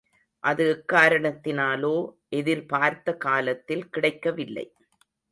அது எக்காரணத்தினாலோ எதிர்பார்த்த காலத்தில் கிடைக்கவில்லை.